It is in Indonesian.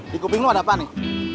di kuping lo ada apa nih